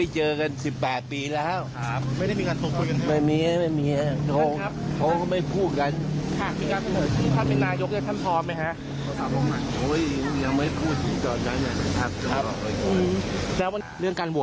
ใจแล้วพวกมันไม่เจอกัน๑๘ปีแล้ว